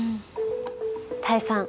多江さん